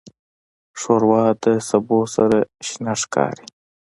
ښوروا د سبو سره شنه ښکاري.